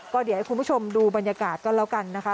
ก็เดี๋ยวให้คุณผู้ชมดูบรรยากาศก็แล้วกันนะคะ